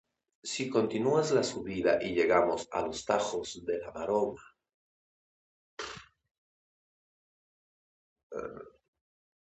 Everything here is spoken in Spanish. Se continúa la subida y llegamos a los Tajos de la Maroma.